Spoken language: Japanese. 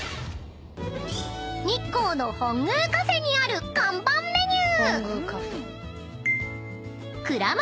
［日光の本宮カフェにある看板メニュー］